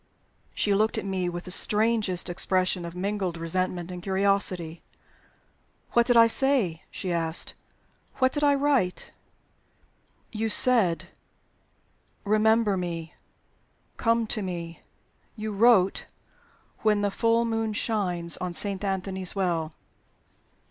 She looked at me with the strangest expression of mingled resentment and curiosity. "What did I say?" she asked. "What did I write?" "You said, 'Remember me. Come to me.' You wrote, 'When the full moon shines on Saint Anthony's Well.'"